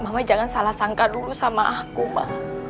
mama jangan salah sangka dulu sama aku pak